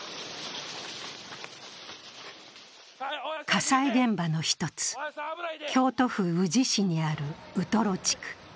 火災現場の一つ、京都府宇治市にあるウトロ地区。